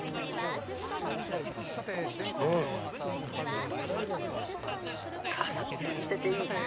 うん！さっぱりしていい！